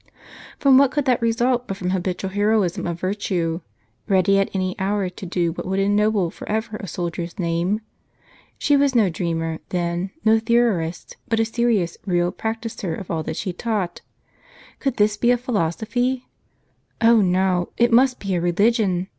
From what could that result but from habitual heroism of virtue, ready at any hour to do what would ennoble forever a soldier's name? She was no dreamer, then, no theorist, but a serious, real practiser of all that she taught. Could this be a philosophy? Oh, no, it must be a religion